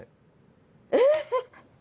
えっ！